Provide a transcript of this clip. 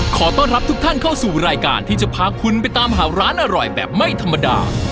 ขอต้อนรับทุกท่านเข้าสู่รายการที่จะพาคุณไปตามหาร้านอร่อยแบบไม่ธรรมดา